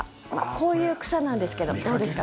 こういう草なんですけどどうですか。